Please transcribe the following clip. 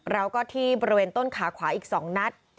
เราก็ที่บริเวณต้นขาขวาอีก๒นัด